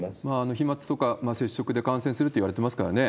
飛まつとか接触で感染するといわれてますからね。